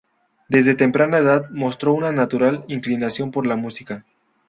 Desde temprana edad mostró una natural inclinación por la música.